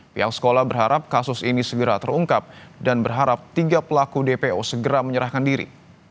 pihak sekolah berharap kasus ini segera terungkap dan berharap tiga pelaku dpo segera menyerahkan diri